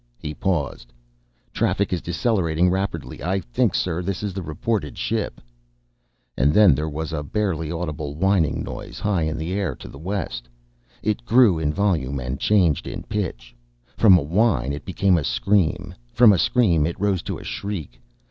He paused. "Traffic is decelerating rapidly. I think, sir, this is the reported ship." And then there was a barely audible whining noise high in the air to the west. It grew in volume and changed in pitch. From a whine it became a scream. From a scream it rose to a shriek.